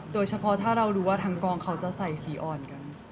โดยเฉพาะถ้าเรารู้ว่าทางกองเขาจะใส่สีอ่อนกัน